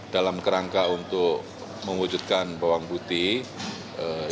dalam kerangka untuk mewujudkan bawang putih